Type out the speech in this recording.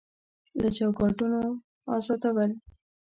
له چوکاټونو ازادول